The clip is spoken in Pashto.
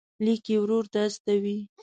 لیک یې ورور ته استوي.